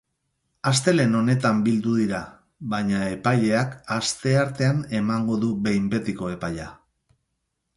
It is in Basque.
Astelehen honetan bildu dira, baina epaileak asteartean emango du behin betiko epaia.